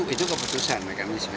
itu keputusan mekanisme